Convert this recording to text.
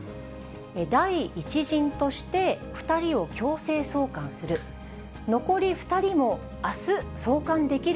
第１陣として２人を強制送還する。